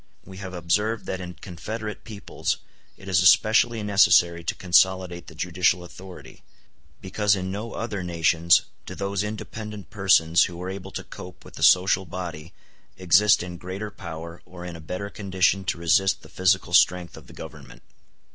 We have observed that in confederate peoples it is especially necessary to consolidate the judicial authority, because in no other nations do those independent persons who are able to cope with the social body exist in greater power or in a better condition to resist the physical strength of the Government.